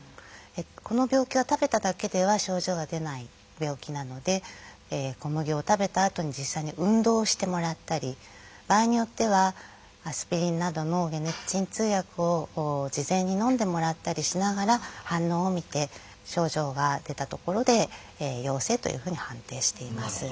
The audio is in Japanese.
この病気は食べただけでは症状が出ない病気なので小麦を食べたあとに実際に運動をしてもらったり場合によってはアスピリンなどの解熱鎮痛薬を事前にのんでもらったりしながら反応を見て症状が出たところで陽性というふうに判定しています。